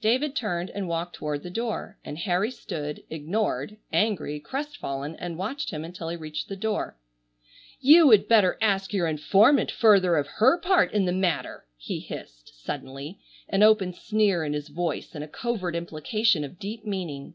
David turned and walked toward the door, and Harry stood, ignored, angry, crestfallen, and watched him until he reached the door. "You would better ask your informant further of her part in the matter!" he hissed, suddenly, an open sneer in his voice and a covert implication of deep meaning.